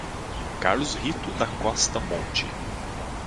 Carlos Rito da Costa Monte